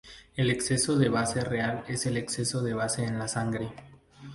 El exceso de base real es el exceso de base en la sangre.